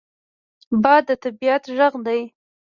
باد د طبعیت غږ دی